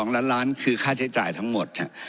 ๒ล้านล้านคือค่าใช้จ่ายทั้งหมด